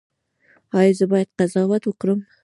ایا زه باید قضاوت وکړم؟